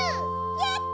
やった！